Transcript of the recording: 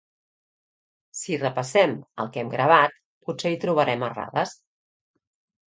Si repassem el que hem gravat potser hi trobarem errades